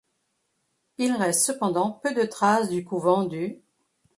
Il reste cependant peu de traces du couvent du .